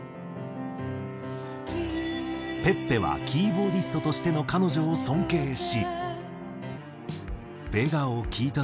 ｐｅｐｐｅはキーボーディストとしての彼女を尊敬し。